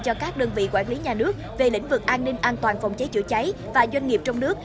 cho các đơn vị quản lý nhà nước về lĩnh vực an ninh an toàn phòng cháy chữa cháy và doanh nghiệp trong nước